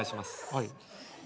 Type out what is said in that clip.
はい。